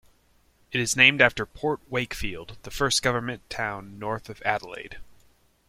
It is named after Port Wakefield, the first government town north of Adelaide.